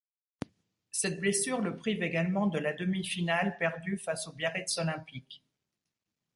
Cette blessure le prive également de la demi-finale perdue face au Biarritz Olympique.